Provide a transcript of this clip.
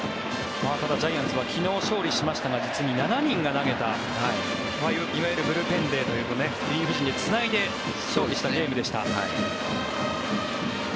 ただ、ジャイアンツは昨日勝利しましたが実に７人が投げたいわゆるブルペンデーというリリーフ陣でつないで勝利したゲームでした。